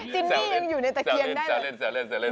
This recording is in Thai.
จินนี่อยู่ในตะเกียงได้เลย